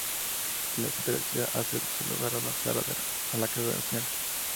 Ya en el centro de la ciudad, hace desalojar la casa de la Sra.